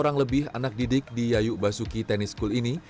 satu ratus dua puluh orang lebih anak didik di yayu basuki tennis school ini